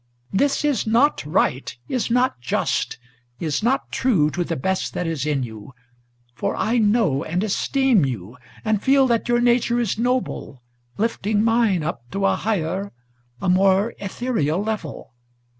This is not right, is not just, is not true to the best that is in you; For I know and esteem you, and feel that your nature is noble, Lifting mine up to a higher, a more ethereal level.